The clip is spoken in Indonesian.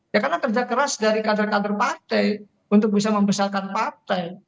ya karena kerja keras dari kader kader partai untuk bisa membesarkan partai